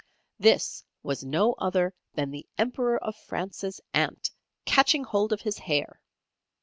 This was no other than the Emperor of France's aunt catching hold of his hair.